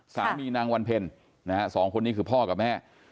สามีนางวันเพลงสองคนนี้คือพ่อกับแม่